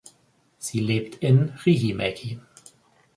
Sie lebt in Riihimäki.